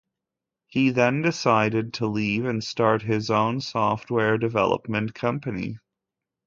He then decided to leave and start his own software development company.